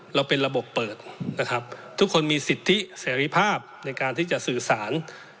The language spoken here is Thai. เราเป็นระบบเปิดนะครับทุกคนมีสิทธิเสรีภาพในการที่จะสื่อสาร